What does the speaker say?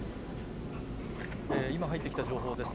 今、入ってきた情報です。